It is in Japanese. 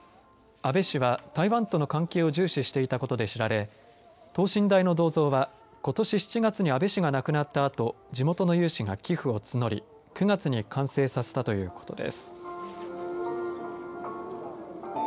安倍氏は台湾との関係を重視していたことで知られ等身大の銅像はことし７月に安倍氏が亡くなったあと地元の有志が寄付を募り９月に完成させたということです。